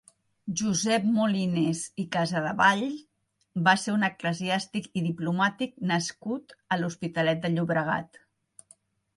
Josep Molines i Casadevall va ser un eclesiàstic i diplomàtic nascut a l'Hospitalet de Llobregat.